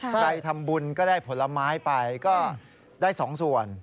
ใครทำบุญก็ได้ผลไม้ไปก็ได้๒ส่วน